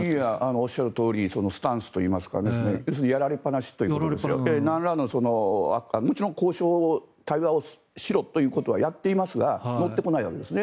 おっしゃるとおりそのスタンスというか要するにやられっぱなしというかもちろん、交渉、対話をしろとはやっていますが乗ってこないわけですね。